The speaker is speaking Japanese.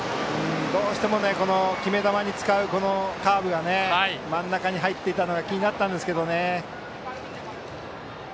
どうしても決め球に使うカーブが真ん中に入っていたのが気になったんですけどね。